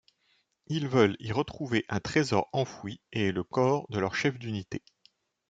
Ils veulent y retrouver un trésor enfoui et le corps de leur chef d'unité.